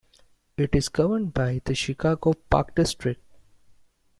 It is governed by the Chicago Park District.